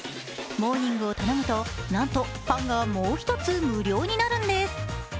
モーニングを頼むと、なんとパンがもう一つ無料になるんです。